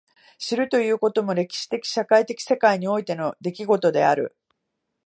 知るということも歴史的社会的世界においての出来事である。